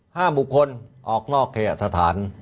ห้ามบุคคลออกนอกเคหสถาน